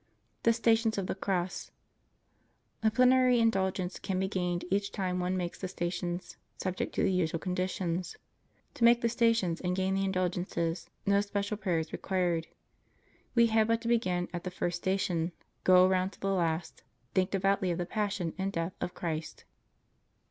THE STATIONS OF THE CROSS A plenary indulgence can be gained each time one makes the Stations, subject to the usual conditions. To make the Stations and gain the indulgences, no special prayer is required. We have but to begin at the first Station and go around to the last, thinking devoutly of the Passion and Death of Christ.